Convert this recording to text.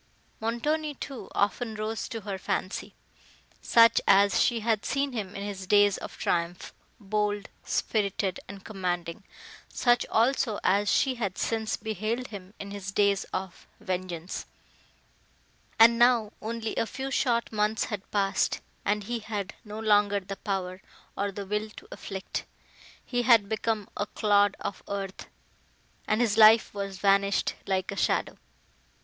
Montoni, too, often rose to her fancy, such as she had seen him in his days of triumph, bold, spirited and commanding; such also as she had since beheld him in his days of vengeance; and now, only a few short months had passed—and he had no longer the power, or the will to afflict;—he had become a clod of earth, and his life was vanished like a shadow!